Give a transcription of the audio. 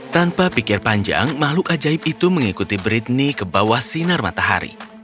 tanpa pikir panjang makhluk ajaib itu mengikuti bridney ke bawah sinar matahari